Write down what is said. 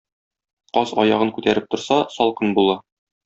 Каз аягын күтәреп торса, салкын була.